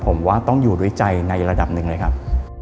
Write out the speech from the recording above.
ผมว่าต้องอยู่ด้วยใจในระดับหนึ่งเลยครับ